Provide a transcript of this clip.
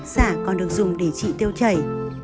xả còn được dùng để trị tiêu chảy